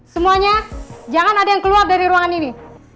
semuanya jangan ada yang keluar dari ruangan ini